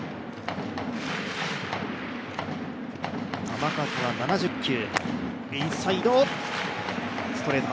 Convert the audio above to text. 球数は７０球。